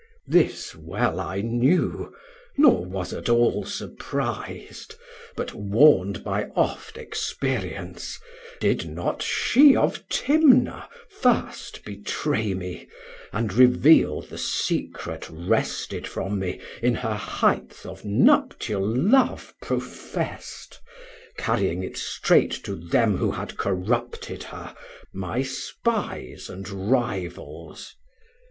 380 This well I knew, nor was at all surpris'd, But warn'd by oft experience: did not she Of Timna first betray me, and reveal The secret wrested from me in her highth Of Nuptial Love profest, carrying it strait To them who had corrupted her, my Spies, And Rivals?